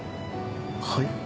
はい？